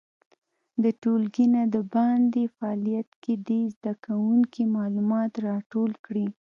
د ټولګي نه د باندې فعالیت کې دې زده کوونکي معلومات راټول کړي.